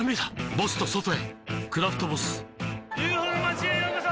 ボスと外へ「クラフトボス」ＵＦＯの町へようこそ！